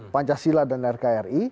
pancasila dan rkri